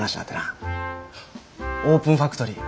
オープンファクトリー